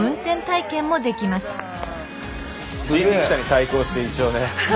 スタジオ人力車に対抗して一応ね。